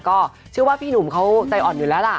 ก็เชื่อว่าพี่หนุ่มเขาใจอ่อนอยู่แล้วล่ะ